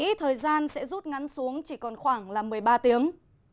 ít thời gian sẽ rút ngắn xuống chỉ còn khoảng là một mươi ba tiếng